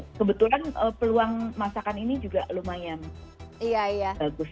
nah kebetulan peluang masakan ini juga lumayan bagus